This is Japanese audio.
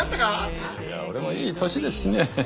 俺もいい年ですしね